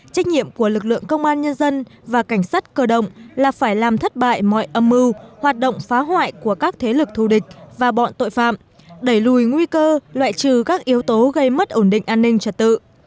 trách nhiệm của lực lượng công an nhân dân và cảnh sát cơ động là phải làm thất bại mọi âm mưu hoạt động phá hoại của các thế lực thù địch và bọn tội phạm đẩy lùi nguy cơ loại trừ các yếu tố gây mất ổn định an ninh trật tự